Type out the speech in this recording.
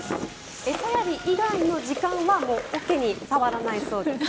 餌やり以外の時間は桶に触らないそうです。